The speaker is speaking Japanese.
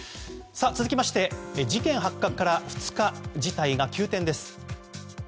続きまして、事件発覚から２日事態が急転です。